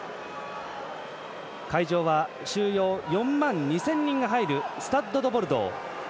会場は収容４万２０００人が入るスタッド・ド・ボルドー。